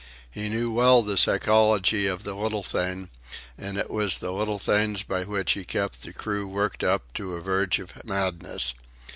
He knew well the psychology of the little thing, and it was the little things by which he kept the crew worked up to the verge of madness.